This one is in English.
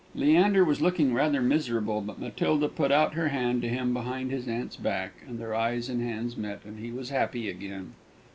Leander was looking rather miserable; but Matilda put out her hand to him behind his aunt's back, and their eyes and hands met, and he was happy again.